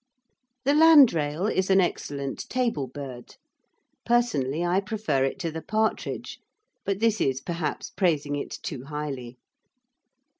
The landrail is an excellent table bird. Personally I prefer it to the partridge, but this is perhaps praising it too highly.